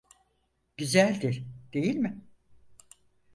Güzeldi, değil mi?